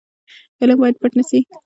علم باید پټ نه سي.